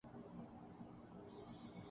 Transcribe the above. حسینی نے عباسی اور goalkeeper Imran but